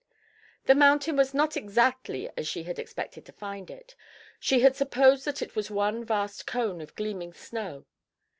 The mountain was not exactly as she had expected to find it. She had supposed that it was one vast cone of gleaming snow.